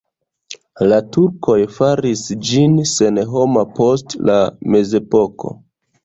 La turkoj faris ĝin senhoma post la mezepoko.